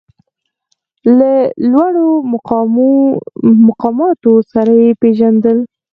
له لوړو مقاماتو سره یې پېژندل.